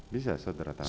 bisa saudara terangkan